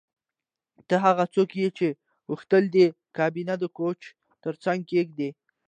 ته هغه څوک یې چې غوښتل دې کابینه د کوچ ترڅنګ کیږدې